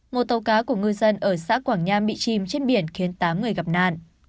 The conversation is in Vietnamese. một tàu cá của ngư dân ở xã quảng nham bị chìm trên biển khiến tám người gặp nạn